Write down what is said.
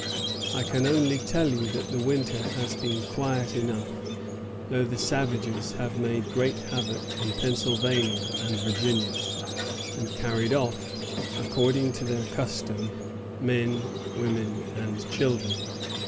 I can only tell you that the winter has been quiet enough, though the savages have made great havoc in Pennsylvania and Virginia, and carried off, according to their custom, men, women, and children.